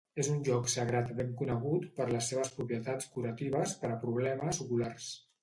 És un lloc sagrat ben conegut per les seves propietats curatives per a problemes oculars.